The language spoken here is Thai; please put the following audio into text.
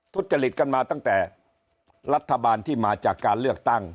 ทุจริตกันมาตั้งแต่รัฐบาลที่มาจากการเลือกตั้ง